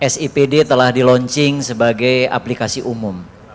sipd telah di launching sebagai aplikasi umum